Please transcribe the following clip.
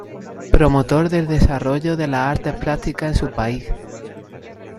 Promotor del desarrollo de las artes plásticas en su país.